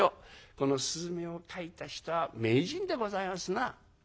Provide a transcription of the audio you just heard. この雀を描いた人は名人でございますな」。